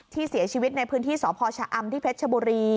ที่เสียชีวิตในพื้นที่สพชอที่เพจโฉบูรี